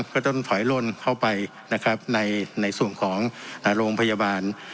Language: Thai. ก็ต้องถอยล่นเข้าไปนะครับในส่วนของโรงพยาบาล